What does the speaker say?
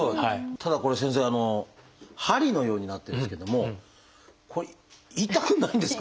ただこれ先生針のようになってるんですけどもこれ痛くないんですか？